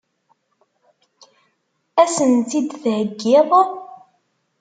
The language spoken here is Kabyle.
Ad sen-tt-id-theggiḍ?